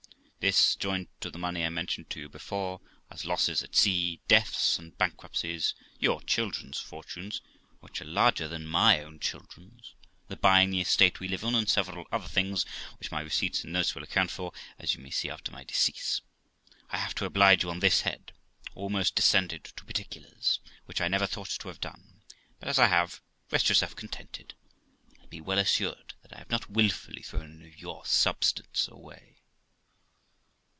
This, joined to the money I mentioned to you before, as losses at sea, deaths, and bankruptcies, your children's fortunes, which are larger 422 THE LIFE OF ROXANA than my own children's, the buying the estate we live on, and several other things, which my receipts and notes will account for, as you may see after my decease. I have, to oblige you on this head, almost descended to particulars, which I never thought to have done; but as I have, rest yourself contented, and be well assured that I have not wilfully thrown any of your substance away.'